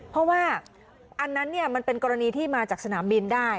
เพราะว่าอันนั้นมันเป็นกรณีที่มาจากสนามบินได้